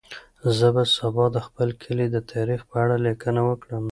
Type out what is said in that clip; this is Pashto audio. زه به سبا د خپل کلي د تاریخ په اړه لیکنه وکړم.